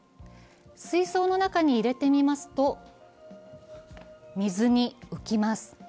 水槽の中に入れてみますと水に浮きます。